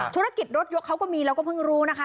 ธุรกิจรถยกเขาก็มีเราก็เพิ่งรู้นะคะ